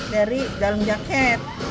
dari dalam jaket